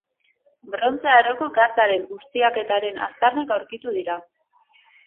Brontze Aroko gatzaren ustiaketaren aztarnak aurkitu dira.